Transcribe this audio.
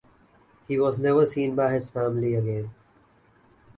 He was never seen by his family again.